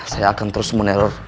saya akan terus meneror